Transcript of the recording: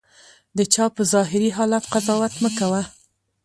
د چا په ظاهري حالت قضاوت مه کوه.